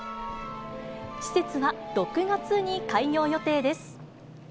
施設は６月に開業予定です。